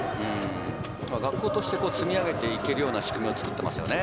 学校として積み上げていけるような仕組みを作っていますよね。